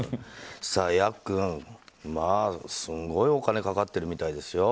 ヤックン、すんごいお金かかってるみたいですよ。